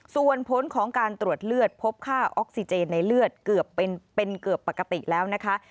ส่วนผลของการตรวจเลือดพบค่าออกซิเจนในเลือดเกือบเป็นเกือบปกติแล้วนะคะ